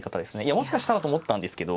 もしかしたらと思ったんですけど。